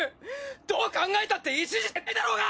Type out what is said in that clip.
どう考えたって一時撤退だろうが！